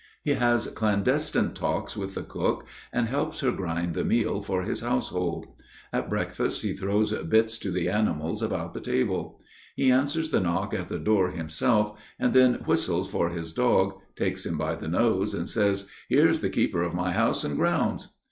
He has clandestine talks with the cook and helps her grind the meal for his household. At breakfast he throws bits to the animals about the table. He answers the knock at the door himself and then whistles for his dog, takes him by the nose, and says: "Here's the keeper of my house and grounds!"